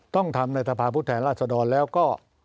ต้องทำในสภาพผู้แทนราชดรแล้วก็